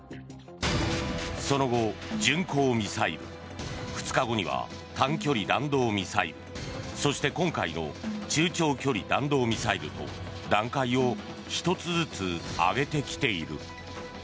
その後、巡航ミサイル２日後には短距離弾道ミサイルそして今回の中長距離弾道ミサイルと段階を１つずつ上げてきている。